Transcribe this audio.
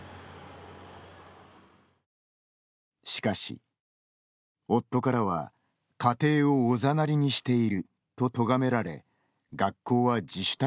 しかし、夫からは家庭をおざなりにしているととがめられ、学校は自主退学。